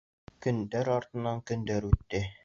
Көндәр артынан көндәр үтте.